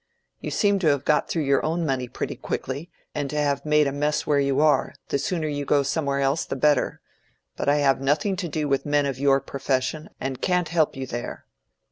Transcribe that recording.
You seem to have got through your own money pretty quickly, and to have made a mess where you are; the sooner you go somewhere else the better. But I have nothing to do with men of your profession, and can't help you there.